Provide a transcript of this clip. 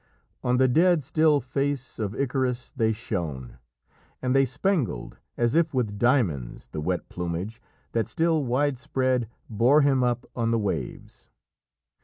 On the dead, still face of Icarus they shone, and they spangled as if with diamonds the wet plumage that still, widespread, bore him up on the waves.